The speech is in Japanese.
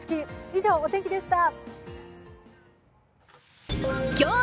以上、お天気でした。